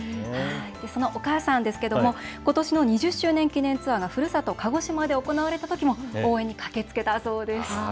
そのお母さんですけれども、ことしの２０周年記念ツアーが、ふるさと、鹿児島で行われたときも応援に駆けつけたそうです。